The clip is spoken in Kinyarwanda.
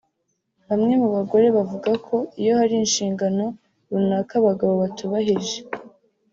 Bamwe mu bagore bavuga ko iyo hari inshingano runaka abagabo batubahirije